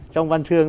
trong văn chương